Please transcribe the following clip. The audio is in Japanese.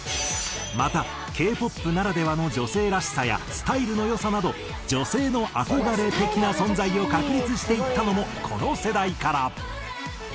またＫ−ＰＯＰならではの女性らしさやスタイルの良さなど女性の憧れ的な存在を確立していったのもこの世代から。